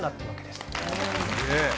すげえ！